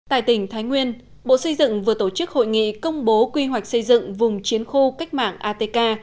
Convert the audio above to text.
tại tỉnh thái nguyên bộ xây dựng vừa tổ chức hội nghị công bố quy hoạch xây dựng vùng chiến khu cách mạng atk